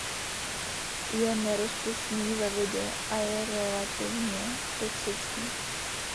Je nerozpustný ve vodě a je relativně toxický.